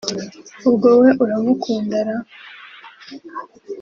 ubwo we uramukunda ra